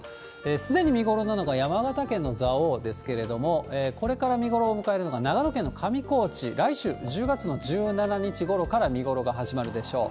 すでに見頃なのが山形県の蔵王ですけれども、これから見頃を迎えるのが、長野県の上高地、来週１０月の１７日ごろから見頃が始まるでしょう。